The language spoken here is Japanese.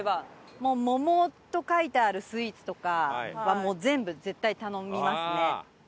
「桃」と書いてあるスイーツとかはもう全部絶対頼みますね。